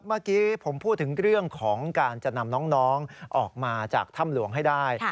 เมื่อกี้ผมพูดถึงเรื่องของการจะนำน้องออกมาจากถ้ำหลวงให้ได้